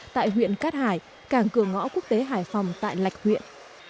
tại huyện cát hải cảng cửa ngõ quốc tế hải phòng tại lạch huyện